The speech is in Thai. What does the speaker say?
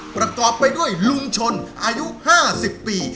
ประกอบไปด้วยลุงชนอายุ๕๐ปี